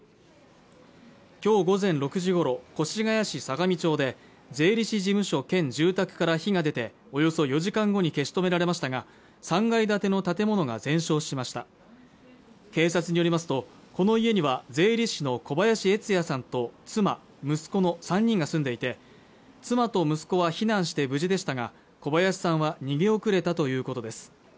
今日午前６時ごろ越谷市相模町で税理士事務所兼住宅から火が出ておよそ４時間後に消し止められましたが３階建ての建物が全焼しました警察によりますとこの家には税理士の小林悦也さんと妻息子の３人が住んでいて妻と息子は避難して無事でしたが小林さんは逃げ遅れたということです